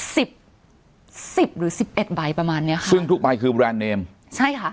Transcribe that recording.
สิบสิบหรือสิบเอ็ดใบประมาณเนี้ยค่ะซึ่งทุกใบคือแรนดเนมใช่ค่ะ